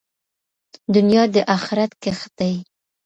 دنیا د آخرت کښت دی.